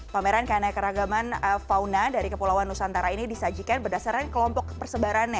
pameran karena keragaman fauna dari kepulauan nusantara ini disajikan berdasarkan kelompok persebarannya